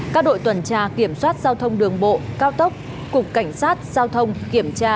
các đội tuần tra kiểm soát giao thông đường bộ cao tốc cục cảnh sát giao thông kiểm tra